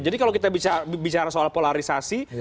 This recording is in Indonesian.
jadi kalau kita bicara soal polarisasi